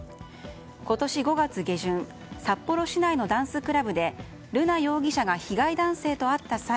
今年５月下旬札幌市内のダンスクラブで瑠奈容疑者が被害男性と会った際